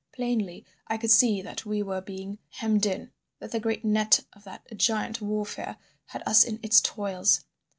Plainly I could see that we were being hemmed in; that the great net of that giant Warfare had us in its toils.